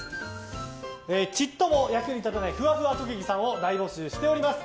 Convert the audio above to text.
ちっとも役に立たないふわふわ特技さんを大募集しております。